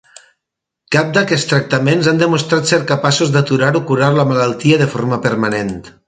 Cap d'aquests tractaments han demostrat ser capaços d'aturar o curar la malaltia de forma permanent.